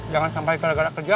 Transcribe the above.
jangan sampai kira kira kerja